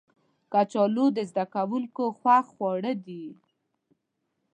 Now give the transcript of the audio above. کچالو د زده کوونکو خوښ خواړه دي